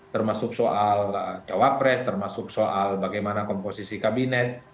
termasuk soal cawapres termasuk soal bagaimana komposisi kabinet